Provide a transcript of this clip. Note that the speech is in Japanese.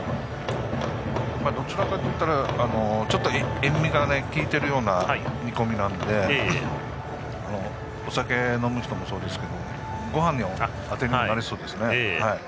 どちらかといえばちょっと塩味がきいているような煮込みなのでお酒飲む人もそうですがごはんのあてにもなりそうです。